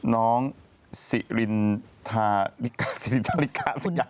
น้องสริทาริกา